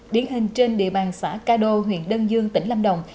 điển hình trên địa bàn xã ca đô huyện đơn dương tỉnh lâm đồng